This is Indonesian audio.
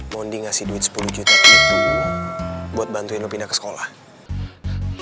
bonding ngasih duit sepuluh juta gitu buat bantuin lo pindah ke sekolah